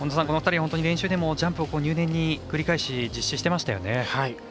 この２人、本当に練習でもジャンプを入念に繰り返し実施していましたね。